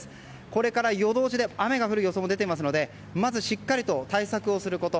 これから、夜通し雨が降る予想も出ていますのでまずしっかりと対策をすること。